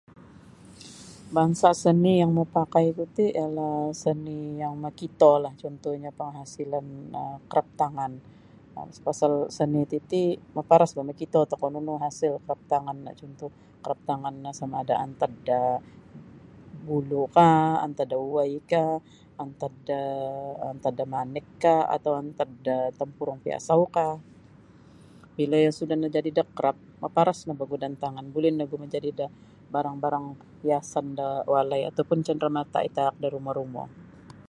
Kalau permainan um video yang oku parnah bamain um aru game-game da talipon yang yang biasa'-biasa oni' um kalau yang macam kuo balawan-lawan ri isada ino oni' kuwo yang mau download da talipon no ino oni'lah mainon yang molosu'lah